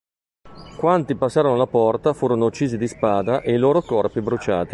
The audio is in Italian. Quanti passarono la porta, furono uccisi di spada e i loro corpi bruciati.